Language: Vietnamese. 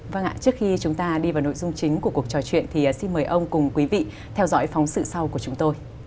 vâng ạ trước khi chúng ta đi vào nội dung chính của cuộc trò chuyện thì xin mời ông cùng quý vị theo dõi phóng sự sau của chúng tôi